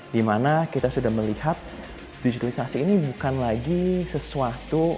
dimana kita sudah melihat digitalisasi ini bukan lagi sesuatu